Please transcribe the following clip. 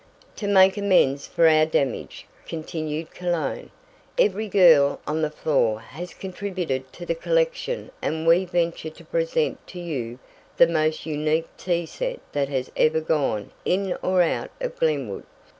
"To make amends for our damage," continued Cologne. "Every girl on the floor has contributed to the collection and we venture to present to you the most unique tea set that has ever gone in or out of Glenwood.